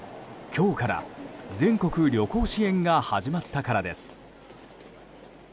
今日から全国旅行支援が始まったからです。